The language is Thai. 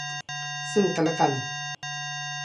ซึ่งกันและกัน